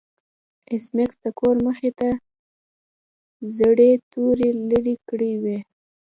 ایس میکس د کور مخې ته زړې توري لرې کړې وې